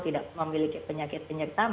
tidak memiliki penyakit penyakit penyakit